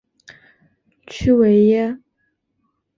屈维耶。